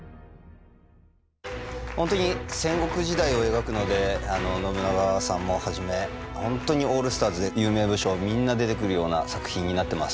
本当に戦国時代を描くので信長さんもはじめ本当にオールスターズで有名武将みんな出てくるような作品になってます。